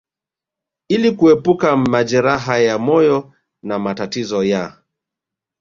ili kuepuka majeraha ya moyo na matatizo ya